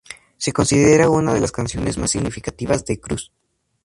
Se considera una de las canciones más significativas de Cruz.